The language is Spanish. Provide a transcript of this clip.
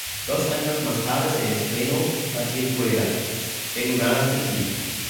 Dos años más tarde se estrenó la secuela:"Tengo ganas de ti".